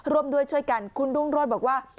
ร่วมด้วยช่วยกันคุณรุ่งโรธบอกว่า